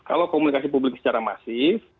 kalau komunikasi publik secara masif